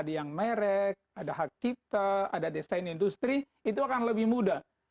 ada yang merek ada hak cipta ada desain industri itu akan lebih mudah